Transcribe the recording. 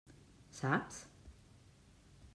Saps?